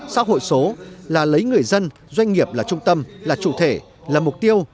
xã hội số là lấy người dân doanh nghiệp là trung tâm là chủ thể là mục tiêu